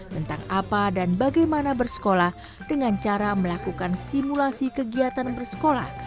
tentang apa dan bagaimana bersekolah dengan cara melakukan simulasi kegiatan bersekolah